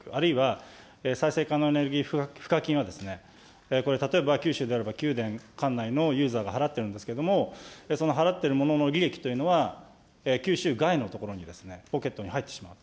あるいは再生可能エネルギー賦課金は、これ、例えば、九州であれば九電管内のユーザーが払ってるんですけれども、その払っている者の利益というのは、九州外のところに、ポケットに入ってしまう。